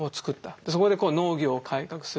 そこで農業を改革する。